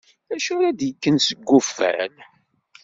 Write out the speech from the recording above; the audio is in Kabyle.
Acu ara d-ikken seg uffal?